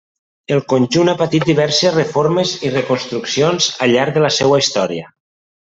El conjunt ha patit diverses reformes i reconstruccions al llarg de la seua història.